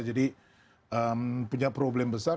jadi punya problem besar